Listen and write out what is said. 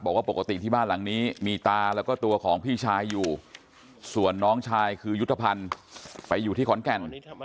บอกว่าปกติที่บ้านหลังนี้มีตาแล้วก็ตัวของพี่ชายอยู่ส่วนน้องชายคือยุทธภัณฑ์ไปอยู่ที่ขอนแก่น